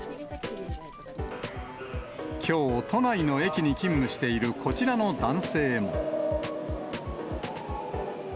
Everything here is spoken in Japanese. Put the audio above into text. きょう、都内の駅に勤務しているこちらの男性も。